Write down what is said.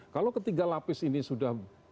kalau ketiga lapis ini sudah